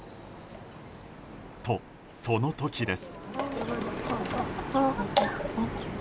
と、その時です。